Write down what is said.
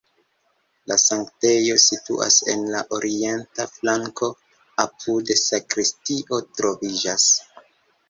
La sanktejo situas en la orienta flanko, apude sakristio troviĝas.